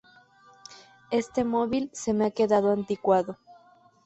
Este móvil se me ha quedado anticuado